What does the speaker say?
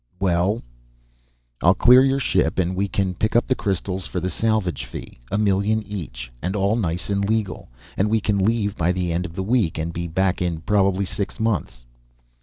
"Well?" "I'll clear your ship and we can pick up the crystals for the salvage fee. A million each, and all nice and legal. We can leave by the end of the week and be back in probably six months."